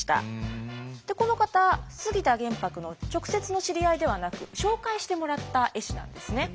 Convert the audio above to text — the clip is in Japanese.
この方杉田玄白の直接の知り合いではなく紹介してもらった絵師なんですね。